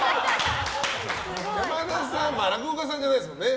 山田さん落語家さんじゃないですもんね。